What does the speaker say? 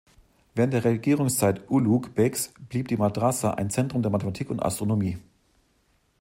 Während der Regierungszeit Ulugh Begs blieb die Madrasa ein Zentrum der Mathematik und Astronomie.